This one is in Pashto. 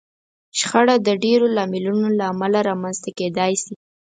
شخړه د ډېرو لاملونو له امله رامنځته کېدای شي.